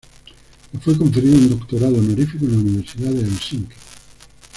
Le fue conferido un doctorado honorífico en la Universidad de Helsinki.